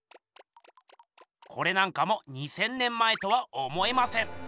これなんかも２，０００年前とは思えません。